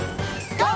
ＧＯ！